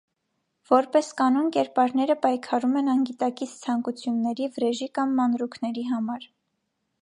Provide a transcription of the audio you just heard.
Որպես կանոն կերպարները պայքարում են անգիտակից ցանկությունների, վրեժի կամ մանրուքների համար։